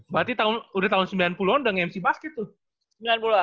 berarti udah tahun sembilan puluh an udah nge mc basket tuh